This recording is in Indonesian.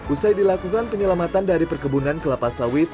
usai dilakukan penyelamatan dari perkebunan kelapa sawit